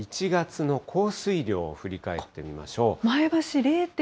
１月の降水量を振り返ってみましょう。